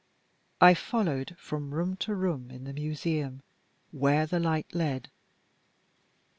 I followed, from room to room in the Museum, where the light led.